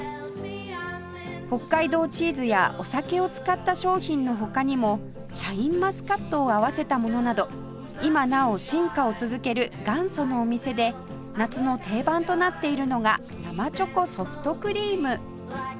北海道チーズやお酒を使った商品の他にもシャインマスカットを合わせたものなど今なお進化を続ける元祖のお店で夏の定番となっているのが生チョコソフトクリーム